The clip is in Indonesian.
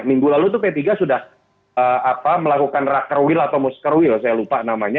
minggu lalu itu p tiga sudah melakukan rucker wheel atau musker wheel saya lupa namanya